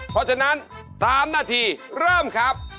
เพราะฉะนั้น๓นาทีเริ่มครับ